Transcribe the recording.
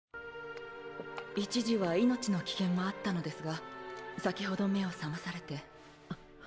一時は命の危険もあったのですが先ほど目を覚まされて。